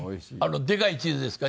でかいチーズですか？